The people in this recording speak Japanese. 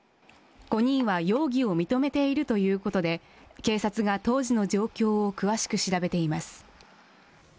５人は容疑を認めているということで警察が当時の状況を詳しく調べています。